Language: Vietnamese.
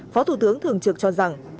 phó thủ tướng thường trược cho rằng